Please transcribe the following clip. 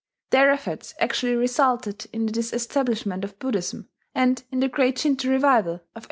Their efforts actually resulted in the disestablishment of Buddhism, and in the great Shinto revival of 1871.